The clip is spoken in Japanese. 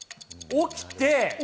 起きて。